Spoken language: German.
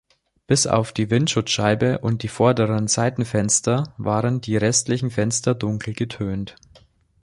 Bis auf die Windschutzscheibe und die vorderen Seitenfenster waren die restlichen Fenster dunkel getönt.